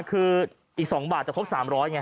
คืออีก๒บาทแต่เขาครบ๓๐๐ไง